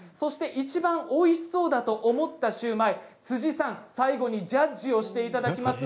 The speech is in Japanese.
いちばんおいしそうだと思ったシューマイ、辻さんにジャッジをしていただきます。